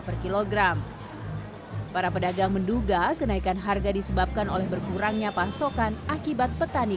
per kilogram para pedagang menduga kenaikan harga disebabkan oleh berkurangnya pasokan akibat petani